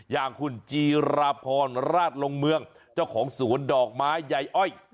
อย่างคุณจีราพรราชลงเมืองเจ้าของสวนดอกไม้ใยอ้อย